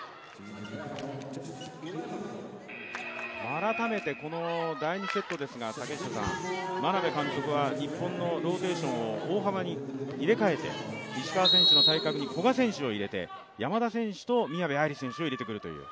改めて第２セットですが、眞鍋監督は日本のローテーションを大幅に入れかえて、石川選手の対角に古賀選手を入れて山田選手と宮部藍梨選手を入れてくるという。